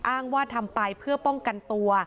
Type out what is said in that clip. อ้างว่าทำไปเพื่อป้องกันตัว